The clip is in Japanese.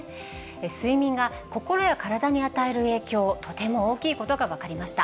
睡眠が心や体に与える影響、とても大きいことが分かりました。